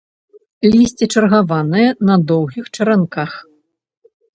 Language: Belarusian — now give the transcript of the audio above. Лісце чаргаванае, на доўгіх чаранках.